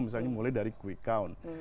misalnya mulai dari quick count